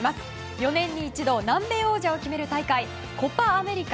４年に一度南米王者を決める大会コパ・アメリカ。